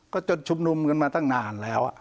ก็จนชุมนุมกันมาตั้งนานแล้ว